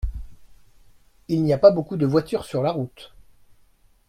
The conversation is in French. Il n’y a pas beaucoup de voitures sur la route.